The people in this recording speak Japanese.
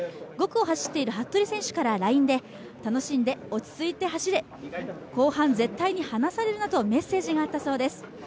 ５区を走っている服部選手からＬＩＮＥで、楽しんで、落ち着いて走れ、後半絶対に離されるなとメッセージがあったそうです。